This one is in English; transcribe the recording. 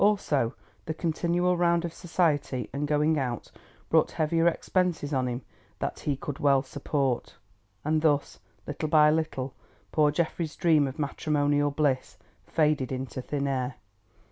Also the continual round of society and going out brought heavier expenses on him than he could well support. And thus, little by little, poor Geoffrey's dream of matrimonial bliss faded into thin air.